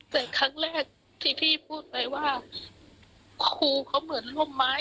แต่ครั้งแรกที่พี่พูดไปว่าครูเขาเหมือนร่วมไม้